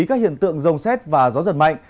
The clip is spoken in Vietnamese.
các hiện tượng rông xét và gió giật mạnh